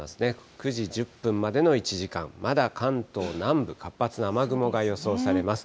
９時１０分までの１時間、まだ関東南部、活発な雨雲が予想されます。